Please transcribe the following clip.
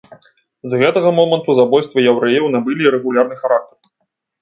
З гэтага моманту забойствы яўрэяў набылі рэгулярны характар.